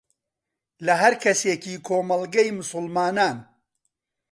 لە هەر کەسێکی کۆمەڵگەی موسڵمانان